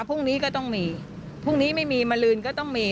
พรุ่งนี้ก็ต้องมีพรุ่งนี้ไม่มีมาลืนก็ต้องมี